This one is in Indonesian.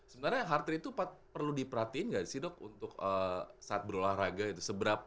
sebenarnya heart rate itu perlu diperhatiin nggak sih dok untuk saat berolahraga itu